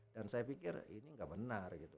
dan saya pikir ini gak benar